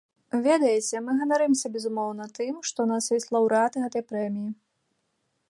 Ведаеце, мы ганарымся, безумоўна, тым, што ў нас ёсць лаўрэат гэтай прэміі.